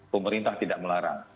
pemerintah tidak melarang